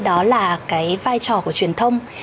đó là cái vai trò của truyền thông